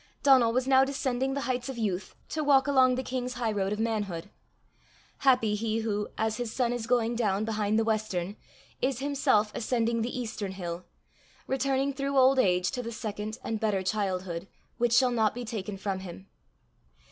Donal was now descending the heights of youth to walk along the king's highroad of manhood: happy he who, as his sun is going down behind the western, is himself ascending the eastern hill, returning through old age to the second and better childhood which shall not be taken from him!